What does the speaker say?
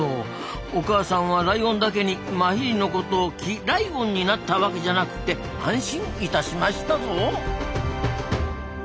お母さんはライオンだけにマヒリのことをキライオンになったわけじゃなくて安心いたしましたぞ。